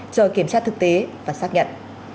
chờ kiểm tra thực tế và xác nhận